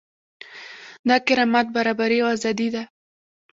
دا کرامت، برابري او ازادي ده.